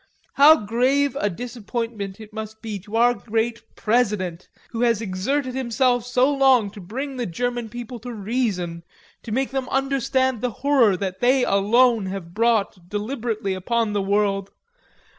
How grave a disappointment it must be to our great President, who has exerted himself so to bring the German people to reason, to make them understand the horror that they alone have brought deliberately upon the world!